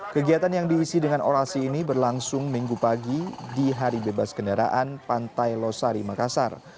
kegiatan yang diisi dengan orasi ini berlangsung minggu pagi di hari bebas kendaraan pantai losari makassar